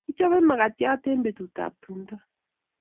Kichopei makatyat eng petutap tumto